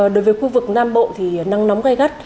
đối với khu vực nam bộ thì nắng nóng gai gắt